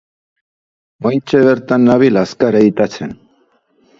Oraintxe bertan nabil azkar editatzen.